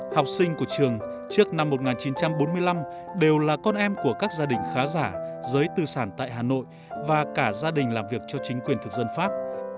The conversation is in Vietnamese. học sinh của trường trước năm một nghìn chín trăm bốn mươi năm đều là con em của các gia đình khá giả giới tư sản tại hà nội và cả gia đình làm việc cho chính quyền thực dân pháp